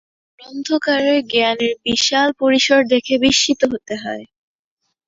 গ্রন্থাকারের জ্ঞানের বিশাল পরিসর দেখে বিস্মিত হতে হয়।